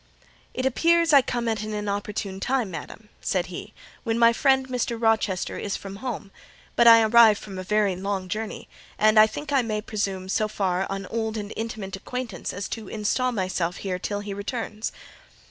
"It appears I come at an inopportune time, madam," said he, "when my friend, Mr. Rochester, is from home; but I arrive from a very long journey, and I think I may presume so far on old and intimate acquaintance as to instal myself here till he returns."